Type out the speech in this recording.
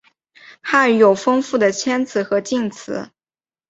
汉语有丰富的谦辞和敬辞。